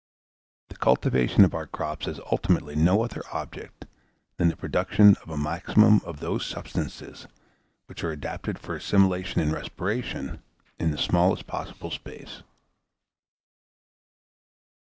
The cultivation of our crops has ultimately no other object than the production of a maximum of those substances which are adapted for assimilation and respiration, in the smallest possible space.